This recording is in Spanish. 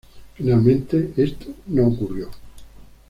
Finalmente esto no ocurrió.